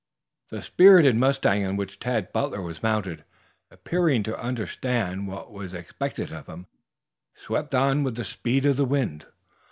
The spirited mustang on which Tad Butler was mounted, appearing to understand what was expected of him, swept on with the speed of the wind.